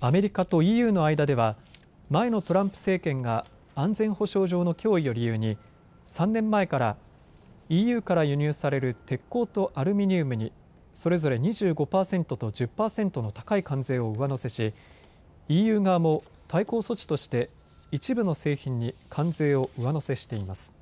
アメリカとＥＵの間では前のトランプ政権が安全保障上の脅威を理由に３年前からＥＵから輸入される鉄鋼とアルミニウムにそれぞれ２５％と１０％の高い関税を上乗せし、ＥＵ側も対抗措置として一部の製品に関税を上乗せしています。